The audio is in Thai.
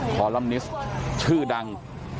คอลัมนิสชื่อดัง